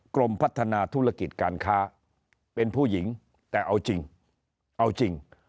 กรมพัฒนาธุรกิจการค้าเป็นผู้หญิงแต่เอาจริงเอาจริง